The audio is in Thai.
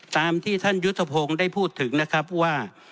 ตามที่ท่านยุทธพงศ์ได้พูดถึงนะครับว่า